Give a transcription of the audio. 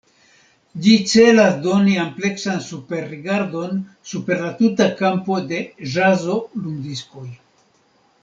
Ĝi celas doni ampleksan superrigardon super la tuta kampo de ĵazo-lumdiskoj.